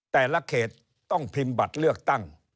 แต่ละเขตต้องพิมพ์บัตรเลือกตั้ง